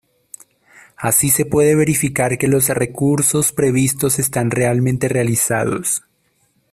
Así se puede verificar que los recursos previstos están realmente realizados.